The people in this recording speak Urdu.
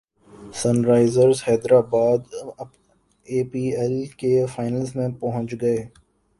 sun Risers Hyderabad I P L کے فائنل میں پہنچ گئی